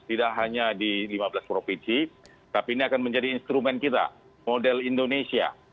tidak hanya di lima belas provinsi tapi ini akan menjadi instrumen kita model indonesia